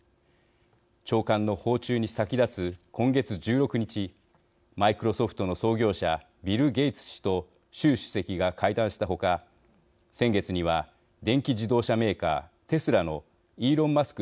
長官の訪中に先立つ今月１６日マイクロソフトの創業者ビル・ゲイツ氏と習主席が会談したほか先月には電気自動車メーカーテスラのイーロン・マスク